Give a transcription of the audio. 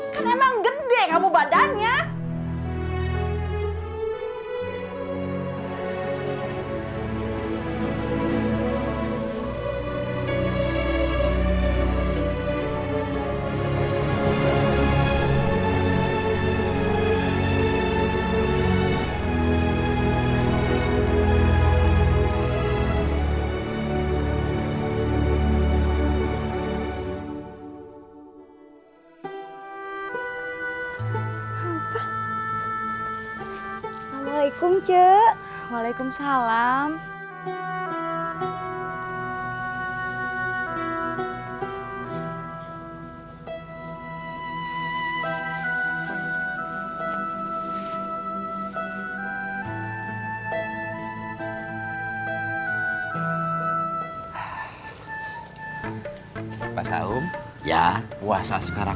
kan emang badan kamu besar